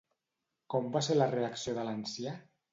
Com va ser la reacció de l'ancià?